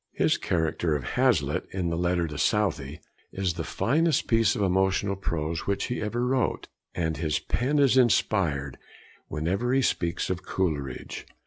His character of Hazlitt in the 'Letter to Southey' is the finest piece of emotional prose which he ever wrote, and his pen is inspired whenever he speaks of Coleridge.